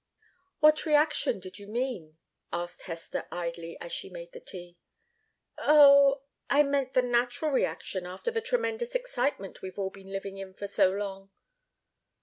"What reaction did you mean?" asked Hester, idly, as she made the tea. "Oh I meant the natural reaction after the tremendous excitement we've all been living in for so long."